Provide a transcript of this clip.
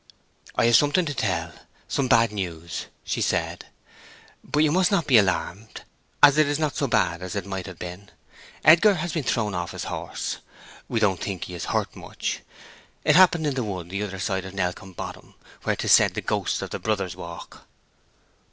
"I have something to tell—some bad news," she said. "But you must not be alarmed, as it is not so bad as it might have been. Edgar has been thrown off his horse. We don't think he is hurt much. It happened in the wood the other side of Nellcombe Bottom, where 'tis said the ghosts of the brothers walk."